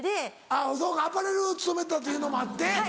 あっそうかアパレル勤めてたというのもあって。